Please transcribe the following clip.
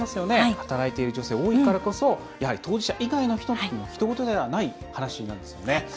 働いている女性、多いからこそやはり当事者以外の人にもひと事ではない話なんですよね。